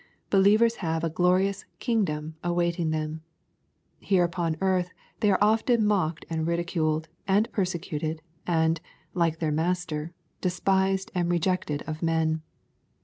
Believers have a glorious " kingdom" awaiting them. Here upon earth they are often mocked and ridiculed, and persecuted, and, like their Master, despised and rejected of men.